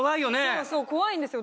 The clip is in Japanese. そうそう怖いんですよ